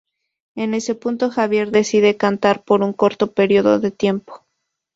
En ese punto Javier decide cantar por un corto período de tiempo.